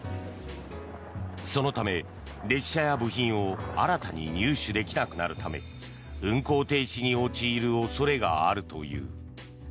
そのため、列車や部品を新たに入手できなくなるため運航停止に陥る恐れがあるという。